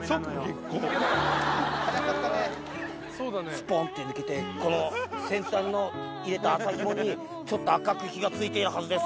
スポンって抜けてこの先端の入れた麻ひもにちょっと赤く火がついてるはずです